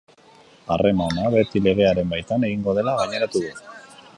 Harremana beti legearen baitan egingo dela gaineratu du.